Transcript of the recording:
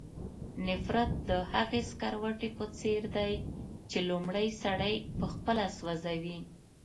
نفرت د هغې سکروټې په څېر دی چې لومړی سړی پخپله سوځوي.